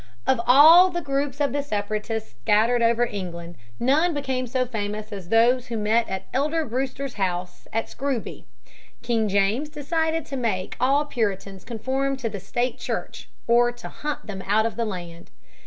Of all the groups of Separatists scattered over England none became so famous as those who met at Elder Brewster's house at Scrooby. King James decided to make all Puritans conform to the State Church or to hunt them out of the land.